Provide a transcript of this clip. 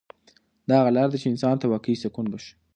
دا هغه لاره ده چې انسان ته واقعي سکون بښي.